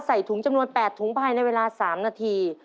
ใส่ถุงจำนวน๘ถุงภายในเวลา๓นาที